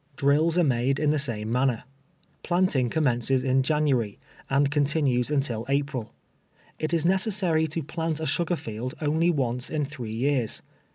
Drills are made in tlie same manner. Planting commences in January, and con tinues until April. It is necessary to plant a sugar field only once in three years.